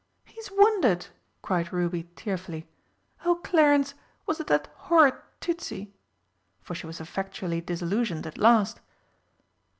"He's wounded!" cried Ruby tearfully. "Oh, Clarence, was it that horrid Tützi?" for she was effectually disillusioned at last.